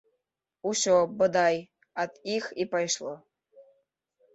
Усё, бадай, ад іх і пайшло.